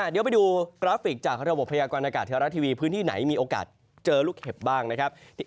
เดี๋ยวไปดูกราฟิกจากระบบพยากรณากาศเทวรัฐทีวีพื้นที่ไหนมีโอกาสเจอลูกเห็บบ้างนะครับ